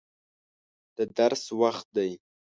د درس وخت دی.